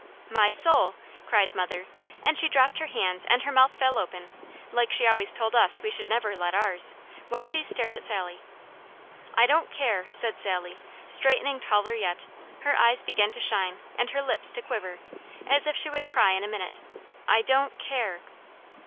"My soul!" cried mother, and she dropped her hands and her mouth fell open, like she always told us we never should let ours, while she stared at Sally. "I don't care!" said Sally, straightening taller yet; her eyes began to shine and her lips to quiver, as if she would cry in a minute; "I don't care